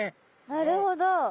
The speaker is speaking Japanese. なるほど。